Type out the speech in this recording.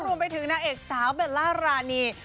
รวมไปถึงนางเอกสาวเบลล่ารานี